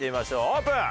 オープン！